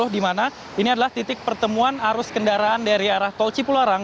di mana ini adalah titik pertemuan arus kendaraan dari arah tol cipularang